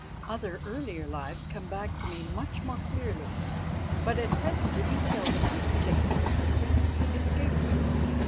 Other earlier lives come back to me much more clearly, but at present the details of this particular existence escape me.